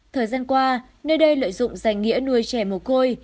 thời gian qua nơi đây lợi dụng danh nghĩa nuôi trẻ mồ côi